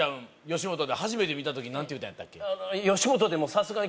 吉本で初めて見た時何て言うたんやったっけ？